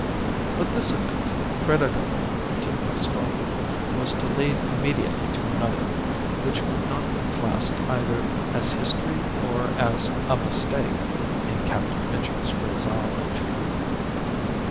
But this event, creditable to Nostromo, was to lead immediately to another, which could not be classed either as "history" or as "a mistake" in Captain Mitchell's phraseology.